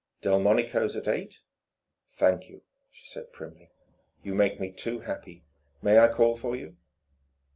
"Delmonico's at eight?" "Thank you," she said primly. "You make me too happy. May I call for you?"